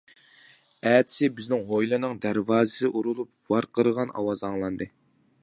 ئەتىسى بىزنىڭ ھويلىنىڭ دەرۋازىسى ئۇرۇلۇپ، ۋارقىرىغان ئاۋاز ئاڭلاندى.